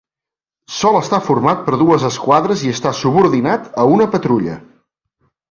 Sol estar format per dues esquadres i està subordinat a una patrulla.